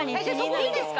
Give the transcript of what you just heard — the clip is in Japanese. いいんですか？